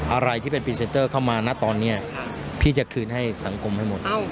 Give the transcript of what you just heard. อะไรที่เป็นพรีเซนเตอร์เข้ามานะตอนนี้พี่จะคืนให้สังคมให้หมด